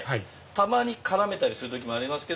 たまに絡めたりする時もありますけど。